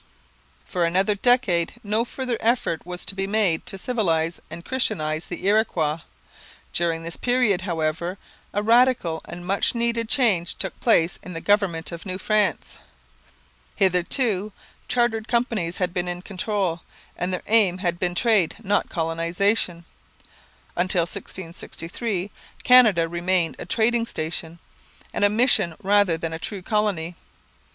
For another decade no further effort was to be made to civilize and christianize the Iroquois. During this period, however, a radical and much needed change took place in the government of New France. Hitherto chartered companies had been in control, and their aim had been trade, not colonization. Until 1663 Canada remained a trading station and a mission rather than a true colony.